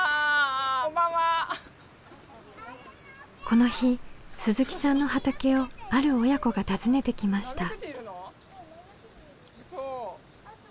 この日鈴木さんの畑をある親子が訪ねてきました。